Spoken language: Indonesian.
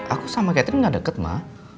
aku sama catherine gak deket mah